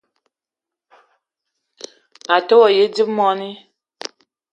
A te ma yi dzip moni